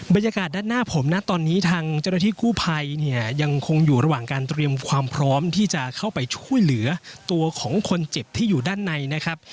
บรรยากาศด้านหน้าผมนะตอนนี้ทางเจ้าหน้าที่กู้ภัยเนี่ยยังคงอยู่ระหว่างการเตรียมความพร้อมที่จะเข้าไปช่วยเหลือตัวของคนเจ็บที่อยู่ด้านในนะครับ